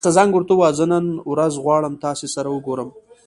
زه نن ورځ غواړم تاسې سره وګورم